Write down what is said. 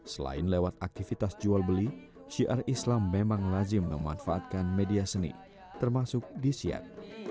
selain lewat aktivitas jual beli syiar islam memang lazim memanfaatkan media seni termasuk disiat